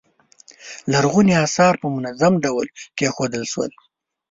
لرغوني اثار په منظم ډول کیښودل شول.